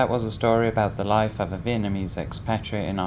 với những hình ảnh của việt nam khi vào xuân